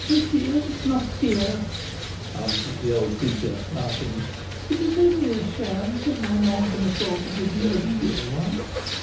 "Pretty, and not dear," answered the old creature, laughing. "It is only a sham till my man can afford to give me a real one."